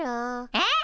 えっ？